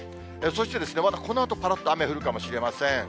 そして、まだこのあとぱらっと雨、降るかもしれません。